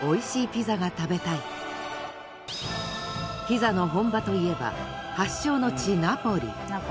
ピザの本場といえば発祥の地ナポリ。